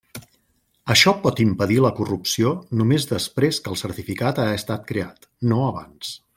Això pot impedir la corrupció només després que el certificat ha estat creat, no abans.